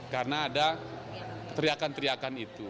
karena ada teriakan teriakan itu